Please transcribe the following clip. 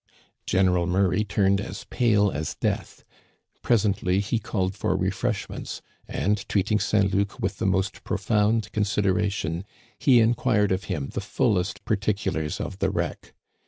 General Murray turned as pale as death. Presently he called for refreshments, and, treating Saint Luc with the most profound consideration, he inquired of him the fullest particulars of the wreck.